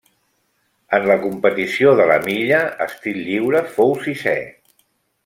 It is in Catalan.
En la competició de la milla estil lliure fou sisè.